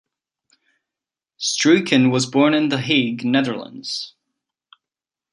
Struycken was born in The Hague, Netherlands.